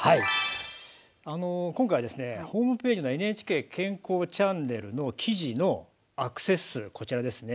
今回はですねホームページの「ＮＨＫ健康チャンネル」の記事のアクセス数こちらですね